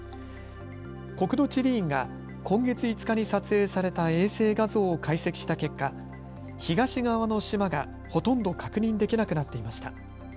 国土地理院が今月５日に撮影された衛星画像を解析した結果、東側の島がほとんど確認できなくなっていました。